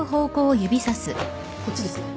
こっちですね。